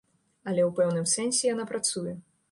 Але ў пэўным сэнсе яна працуе.